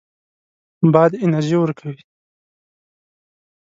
باد انرژي ورکوي.